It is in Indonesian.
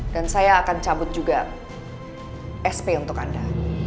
dan saya akan cabut juga sp untuk anda